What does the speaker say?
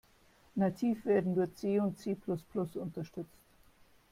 Nativ werden nur C und C-plus-plus unterstützt.